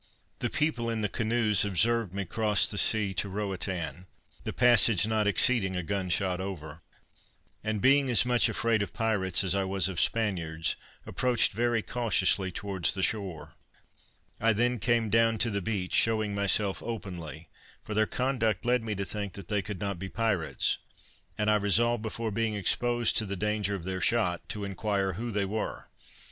The people in the canoes observed me cross the sea to Roatan, the passage not exceeding a gun shot over; and being as much afraid of pirates as I was of Spaniards, approached very cautiously towards the shore. I then came down to the beach, shewing myself openly; for their conduct led me to think that they could not be pirates, and I resolved before being exposed to the danger of their shot, to inquire who they were.